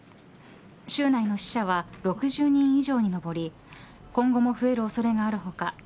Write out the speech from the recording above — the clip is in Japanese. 州内の死者は６０人以上にのぼり今後も増える恐れがある他